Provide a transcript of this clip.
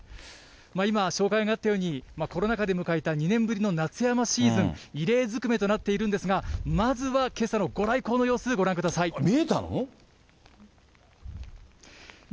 今、紹介があったように、コロナ禍で迎えた２年ぶりの夏山シーズン、異例ずくめとなっているんですが、まずはけさのご来光の様子、ご覧ください。